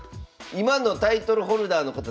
今のタイトルホルダーの方